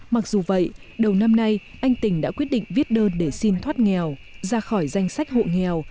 mặc dù vậy đầu năm nay anh tình đã quyết định viết đơn để xin thoát nghèo ra khỏi danh sách hộ nghèo